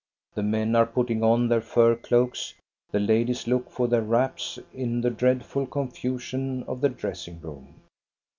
The men are putting on their fur cloaks. The ladies look for their wraps in the dreadful confusion of the dressing room.